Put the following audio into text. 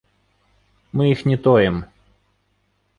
Мы іх не тоім.